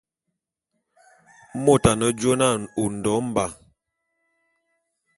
Mot ane jôé na Ondo Mba.